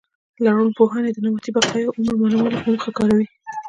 لرغونپوهان یې د نباتي بقایاوو عمر معلومولو په موخه کاروي